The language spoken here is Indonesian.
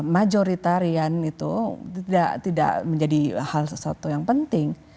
majoritarian itu tidak menjadi hal sesuatu yang penting